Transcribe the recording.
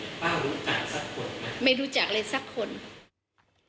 ถ้าคนที่เขาเอาเนี้ยงหวังหวังไปขึ้นเงิน